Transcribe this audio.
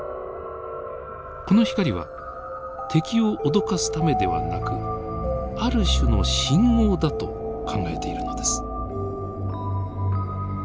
この光は敵を脅かすためではなくある種の信号だと考えているのです。